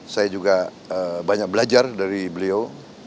saya juga banyak belajar dari beliau